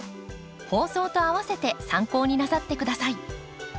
放送と併せて参考になさってください。